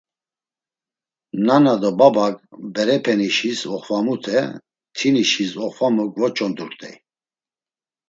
Nana do babak berepenişis oxvamute, tinişis oxvamu gvoç̌ondurt̆ey.